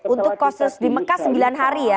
untuk kasus di mekah sembilan hari ya